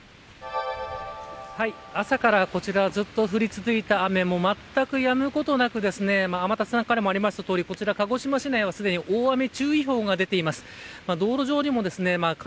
朝から、こちらずっと降り続いた雨もまったくやむことがなく天達さんもおっしゃいましたように鹿児島市内は大雨注意報が出ています。